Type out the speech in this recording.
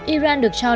iran được cho lời